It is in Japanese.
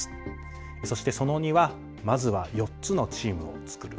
そしてその２はまずは４つのチームを作る。